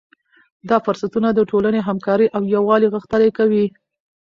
دا فرصتونه د ټولنې همکاري او یووالی غښتلی کوي.